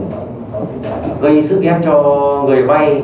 gây sức ép cho người vay